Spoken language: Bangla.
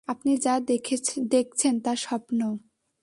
আপনি যা দেখছেন তা স্বপ্ন।